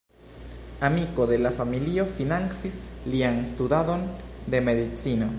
Amiko de la familio financis lian studadon de medicino.